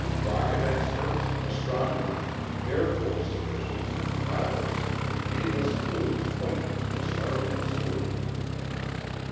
Rocket experts, astronomers, Air Force officials and pilot gave us clues pointing to a startling solution.